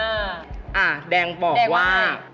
อ้าเอ้าแดงบอกว่า